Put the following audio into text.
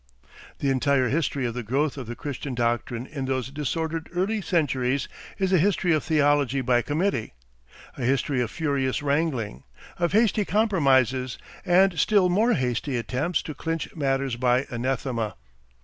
The entire history of the growth of the Christian doctrine in those disordered early centuries is a history of theology by committee; a history of furious wrangling, of hasty compromises, and still more hasty attempts to clinch matters by anathema.